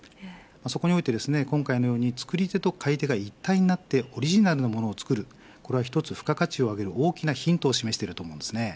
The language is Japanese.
そこにおいて、今回のように作り手と買い手が一体になってオリジナルのものを作るこれは１つ付加価値を上げる大きなヒントを示していると思います。